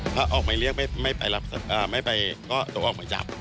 ถ้าออกมาเรียกไม่ไปก็โดนออกมาจับ